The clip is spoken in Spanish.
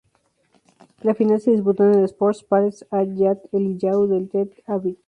La final se disputó en el Sports Palace at Yad Eliyahu de Tel Aviv.